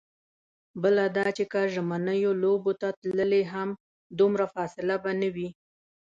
بله دا چې که ژمنیو لوبو ته تللې هم، دومره فاصله به نه وي.